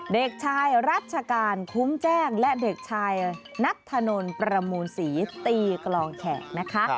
เด็กชายรัชกาลคุ้มแจ้งและเด็กชายนัทธนลประมูลศรีตีกลองแขกนะคะ